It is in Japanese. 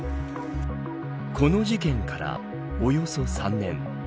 この事件からおよそ３年。